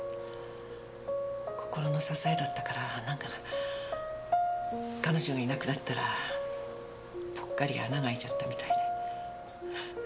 心の支えだったからなんか彼女がいなくなったらポッカリ穴が開いちゃったみたいで。